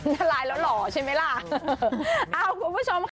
ละลายแล้วหล่อใช่ไหมล่ะอ้าวคุณผู้ชมค่ะ